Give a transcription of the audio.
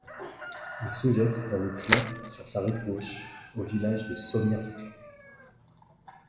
Il se jette dans le Clain sur sa rive gauche, au village de Sommières-du-Clain.